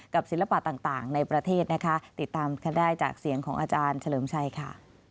ศิลปะต่างในประเทศนะคะติดตามกันได้จากเสียงของอาจารย์เฉลิมชัยค่ะ